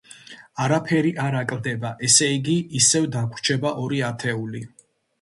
არაფერი არ აკლდება, ესე იგი, ისევ დაგვრჩება ორი ათეული.